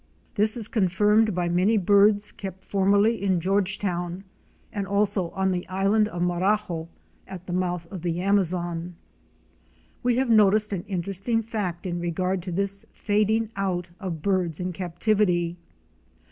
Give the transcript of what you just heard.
This is confirmed by many birds kept formerly in Georgetown and also on the Island of Marajo at the mouth of the Amazon. We have noticed an interesting fact in regard to this fading out of birds in captivity.